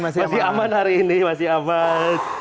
masih aman masih aman